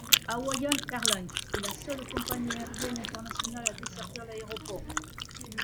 Hawaiian Airlines est la seule compagnie aérienne internationale à desservir l'aéroport.